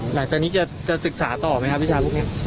หลังจากนี้จะศึกษาต่อไหมครับวิชาลูกนี้